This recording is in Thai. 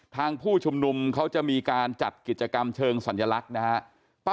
ผู้ชุมนุมเขาจะมีการจัดกิจกรรมเชิงสัญลักษณ์นะฮะ